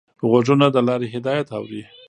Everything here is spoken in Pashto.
غوږونه د لارې هدایت اوري